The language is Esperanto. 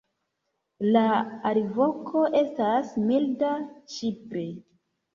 La alvoko estas milda "ŝip".